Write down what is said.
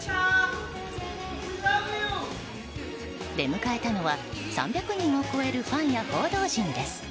出迎えたのは３００人を超えるファンや報道陣です。